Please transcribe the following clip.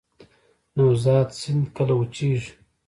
نوزاد سیند کله وچیږي؟